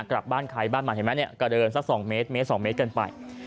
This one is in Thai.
กลับบ้านขายบ้านมาเห็นไหมกระเดินสัก๒เมตรเมตร๒เมตรเกินไป